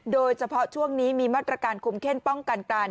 โดยเฉพาะช่วงนี้มีมาตรการคุมเข้มป้องกันการ